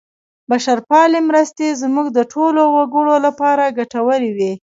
بشرپالې مرستې زموږ د ټولو وګړو لپاره ګټورې وې.